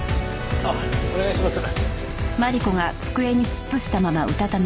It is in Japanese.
あっお願いします。